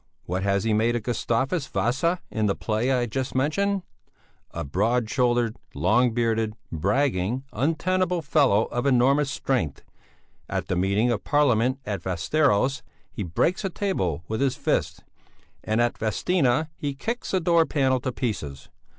What has he made of Gustavus Vasa in the play I just mentioned? A broad shouldered, long bearded, bragging, untenable fellow of enormous strength; at the meeting of Parliament at Västeros, he breaks a table with his fist, and at Vadstena he kicks a door panel to pieces.